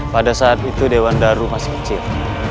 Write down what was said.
pada saat itu dewan daru masih kecil